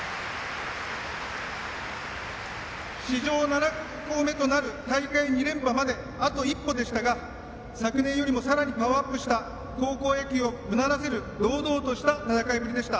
史上７校目となる大会２連覇まであと一歩でしたが、昨年よりもさらにパワーアップした高校野球をうならせる堂々とし戦いぶりでした。